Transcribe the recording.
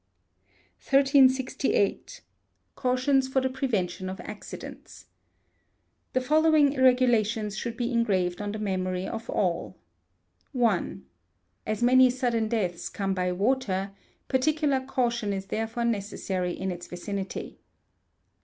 1368. Cautions for the Prevention of Accidents. The following regulations should be engraved on the memory of all: i. As many sudden deaths come by water, particular caution is therefore necessary in its vicinity.